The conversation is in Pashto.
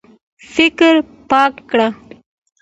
فکر پاک کړه.